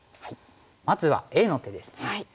まずはＡの手ですね。